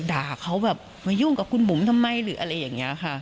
ด่าเขาแบบมายุ่งกับคุณบุ๋มทำไมหรืออะไรอย่างนี้ค่ะ